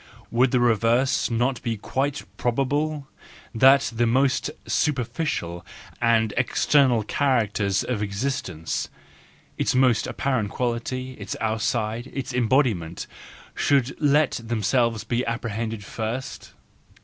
Would the reverse not be quite probable, that the most super¬ ficial and external characters of existence—its most apparent quality, its outside, its embodiment— should let themselves be apprehended first?